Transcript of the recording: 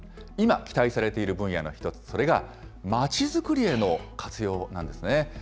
今、期待されている分野の一つ、それが町づくりへの活用なんですね。